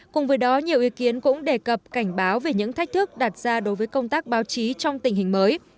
cùng với đó nhiều ý kiến cũng đề cập cảnh báo về những thách thức đặt ra đối với công tác báo chí trong tình hình mới